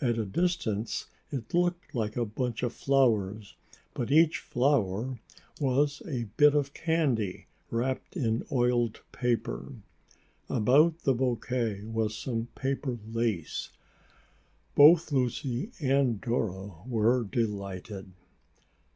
At a distance it looked like a bunch of flowers, but each flower was a bit of candy wrapped in oiled paper. About the bouquet was some paper lace. Both Lucy and Dora were delighted.